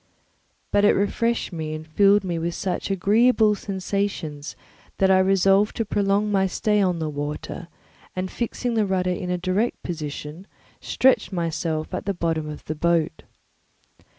But it refreshed me and filled me with such agreeable sensations that I resolved to prolong my stay on the water, and fixing the rudder in a direct position, stretched myself at the bottom of the boat.